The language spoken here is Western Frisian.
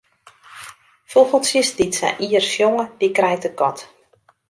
Fûgeltsjes dy't sa ier sjonge, dy krijt de kat.